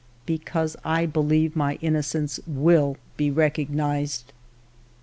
. because I believe my innocence will be recognized."